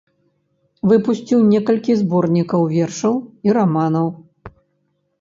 Выпусціў некалькі зборнікаў вершаў і раманаў.